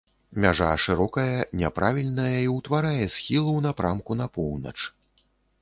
Мяжа шырокая, няправільная і ўтварае схіл у напрамку на поўнач.